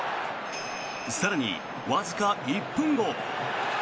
更に、わずか１分後。